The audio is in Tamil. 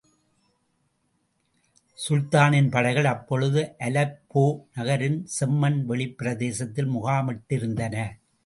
சுல்தானின் படைகள் அப்பொழுது அலெப்போ நகரின் செம்மண் வெளிப் பிரதேசத்தில் முகாமிட்டிருந்தன.